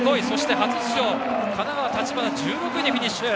初出場、神奈川の橘は１６位でフィニッシュ。